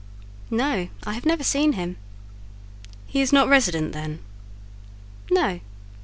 "No, I have never seen him." "He is not resident, then?" "No."